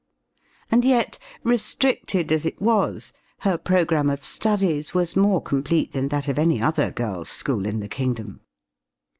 And yet, restricted as it was, her programme of studies was more complete than that of any other girls' school in the kingdom.